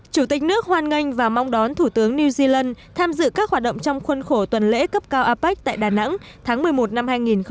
chủ tịch nước hoan nghênh và mong đón thủ tướng new zealand tham dự các hoạt động trong khuôn khổ tuần lễ cấp cao apec tại đà nẵng tháng một mươi một năm hai nghìn hai mươi